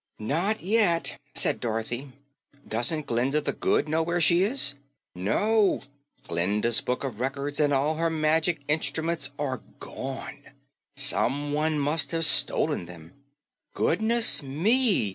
"Not yet," said Dorothy. "Doesn't Glinda the Good know where she is?" "No. Glinda's Book of Records and all her magic instruments are gone. Someone must have stolen them." "Goodness me!"